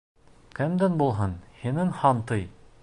— Кемдән булһын, һинән, һантый!